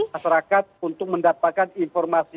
masyarakat untuk mendapatkan informasi